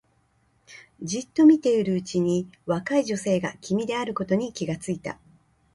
じっと見ているうちに若い女性が君であることに気がついた